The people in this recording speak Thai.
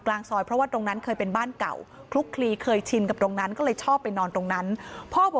แล้วโดมมันไม่ได้แก้ต่างแถวรูปนะครับ